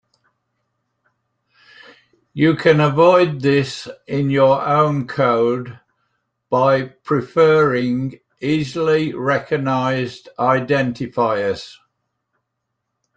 You can avoid this in your own code by preferring easily recognized identifiers.